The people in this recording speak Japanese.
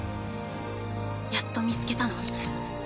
やっと見つけたの。